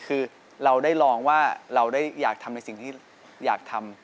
คือเราได้ลองว่าเราได้อยากทำในสิ่งที่อยากทำ